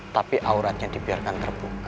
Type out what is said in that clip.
tapi auratnya dibiarkan terbuka